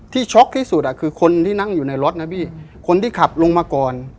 ช็อกที่สุดอ่ะคือคนที่นั่งอยู่ในรถนะพี่คนที่ขับลงมาก่อน